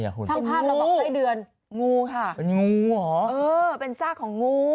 อะไรล่ะคุณงูเป็นงูหรอเป็นซากของงู